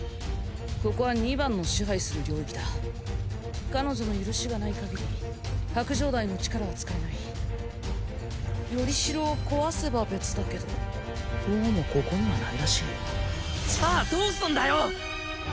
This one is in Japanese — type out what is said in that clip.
ここは二番の支配する領域だ彼女の許しがないかぎり白杖代の力は使えない依代を壊せば別だけどどうもここにはないらしいじゃあどうすんだよ！？